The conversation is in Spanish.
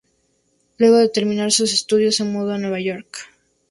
Luego de terminar sus estudios, se mudó para Nueva York.